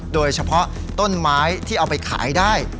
โดยเฉพาะต้นไม้ที่เอาไปขายได้